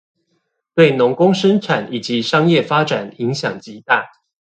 對農工生產以及商業發展影響極大